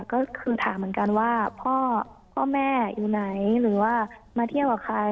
ก็คือถามเหมือนกันว่าพ่อแม่อยู่ไหนหรือว่ามาเที่ยวกับใคร